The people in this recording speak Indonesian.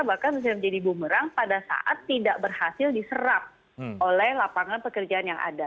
bahkan bisa menjadi bumerang pada saat tidak berhasil diserap oleh lapangan pekerjaan yang ada